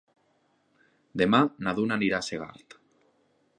Demà na Duna anirà a Segart.